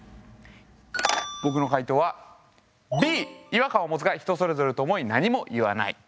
僕の回答はＢ違和感を持つが人それぞれと思い何も言わない。